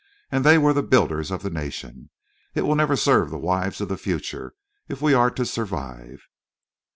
And they were the builders of the nation. It will never serve the wives of the future, if we are to survive."